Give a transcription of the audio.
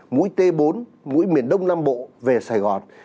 mũi t bốn mũi miền đông nam bộ về sài gòn